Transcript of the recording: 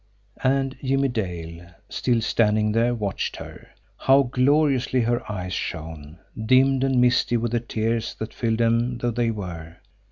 And Jimmie Dale, still standing there, watched her. How gloriously her eyes shone, dimmed and misty with the tears that filled them though they were!